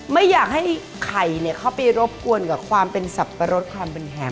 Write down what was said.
ไม่อยากให้ไข่เข้าไปรบกวนกับความเป็นสับปะรดความเป็นแหม